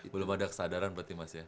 belum ada kesadaran berarti mas ya